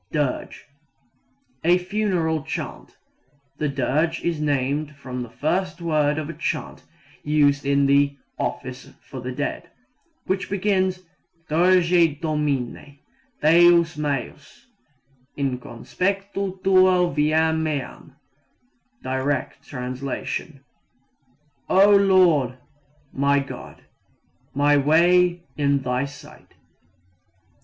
Dirge a funeral chant. The dirge is named from the first word of a chant used in the "office for the dead," which begins Dirige Domine, Deus meus, in conspectu tuo viam meam (Direct, O Lord, My God, my way in Thy sight).